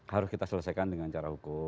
harus kita selesaikan dengan cara hukum